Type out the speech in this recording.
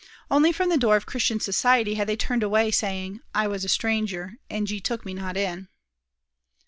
Only from the door of Christian society had they turned away, saying, "I was a stranger, and ye took me not in."